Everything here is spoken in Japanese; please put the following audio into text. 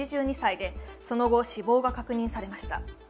８２歳でその後、死亡が確認されました。